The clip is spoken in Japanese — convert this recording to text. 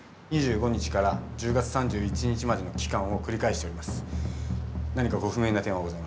２５日から１０月３１日までの期間を繰り返しています。